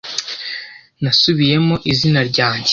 Nasubiyemo izina ryanjye.